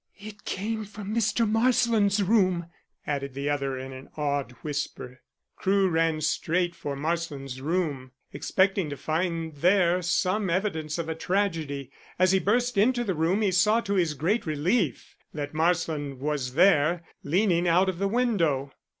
"It came from Mr. Marsland's room," added the other, in an awed whisper. Crewe ran straight for Marsland's room, expecting to find there some evidence of a tragedy. As he burst into the room he saw to his great relief that Marsland was there, leaning out of the window.